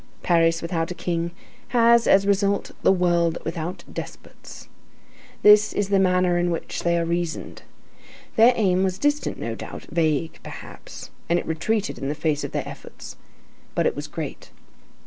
Paris without a king has as result the world without despots. This is the manner in which they reasoned. Their aim was distant no doubt, vague perhaps, and it retreated in the face of their efforts; but it was great.